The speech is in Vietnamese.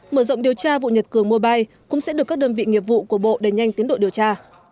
mở rộng điều tra vụ nhật cường mobile cũng sẽ được các đơn vị nghiệp vụ của bộ đẩy nhanh tiến độ điều tra